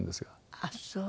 ああそう。